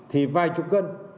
thì vài chục cân